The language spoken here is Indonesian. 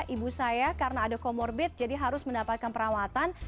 ibu saya karena ada comorbid jadi harus mendapatkan perawatan